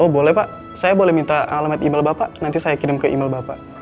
boleh pak saya boleh minta alamat email bapak nanti saya kirim ke email bapak